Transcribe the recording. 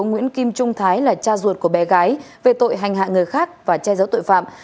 nguyễn kim trung thái là cha ruột của bé gái về tội hành hạ người khác và che giấu tội phạm